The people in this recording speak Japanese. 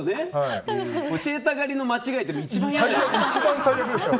教えたがりの間違えって一番嫌。